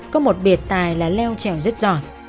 có một biệt tài là leo trèo rất giỏi